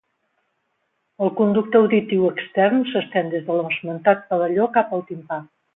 El conducte auditiu extern s'estén des de l'esmentat pavelló cap al timpà.